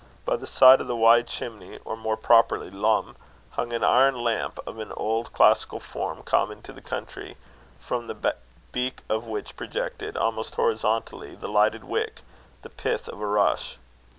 By the side of the wide chimney, or more properly lum, hung an iron lamp, of an old classical form common to the country, from the beak of which projected, almost horizontally, the lighted wick the pith of a rush.